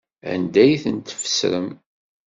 Anda ay tent-tfesrem?